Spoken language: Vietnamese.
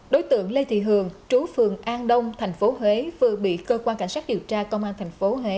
đối tượng lê thị hường trú phường an đông tp huế vừa bị cơ quan cảnh sát điều tra công an thành phố huế